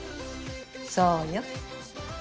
そうよ。